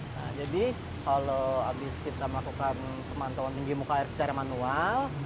nah jadi kalau habis kita melakukan pemantauan tinggi muka air secara manual